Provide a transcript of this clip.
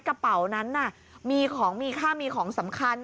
กระเป๋านั้นมีของมีค่ามีของสำคัญ